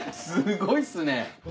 すごいっすね。